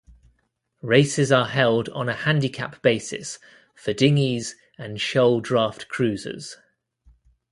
Races are held on a handicap basis for dinghies and shoal draft cruisers.